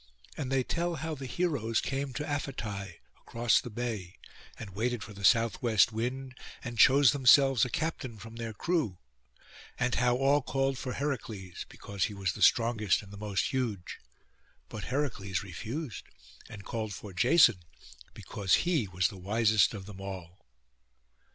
And they tell how the heroes came to Aphetai, across the bay, and waited for the south west wind, and chose themselves a captain from their crew: and how all called for Heracles, because he was the strongest and most huge; but Heracles refused, and called for Jason, because he was the wisest of them all.